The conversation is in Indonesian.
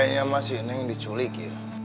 ya mas ini yang diculik ya